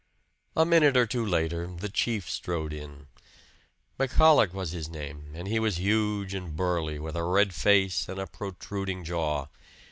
A minute or two later "the chief" strode in. McCullagh was his name and he was huge and burly, with a red face and a protruding jaw.